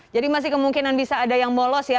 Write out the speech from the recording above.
jadi masih kemungkinan bisa ada yang molos ya